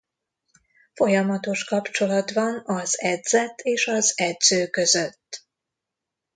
Folyamatos kapcsolat van az edzett és az edző között.